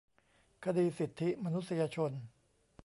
คดีสิทธิมนุษยชน